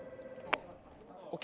ＯＫ！